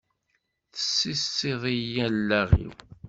Tessezziḍ-iyi allaɣ-iw!